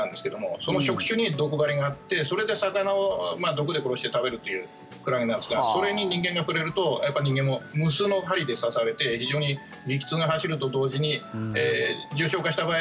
その触手に毒針があってそれで魚を毒で殺して食べるというクラゲなんですがそれに人間が触れるとやっぱり人間も無数の針で刺されて非常に激痛が走ると同時に重症化した場合